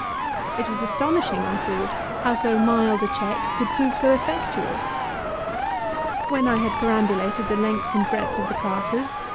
It was astonishing, I thought, how so mild a check could prove so effectual. When I had perambulated the length and breadth of the classes, M.